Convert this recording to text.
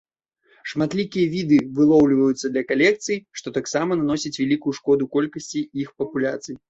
Шматлікія віды вылоўліваюцца для калекцый, што таксама наносіць вялікую шкоду колькасці іх папуляцый.